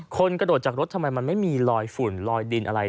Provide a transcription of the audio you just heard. กระโดดจากรถทำไมมันไม่มีลอยฝุ่นลอยดินอะไร